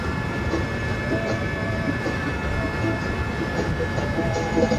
na kubwa tunalo jaribu kuzungumzia hii leo na mwenzangu hapa victor abuso